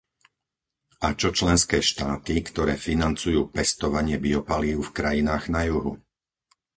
A čo členské štáty, ktoré financujú pestovanie biopalív v krajinách na juhu?